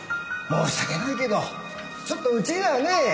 申し訳ないけどちょっとうちではねえ。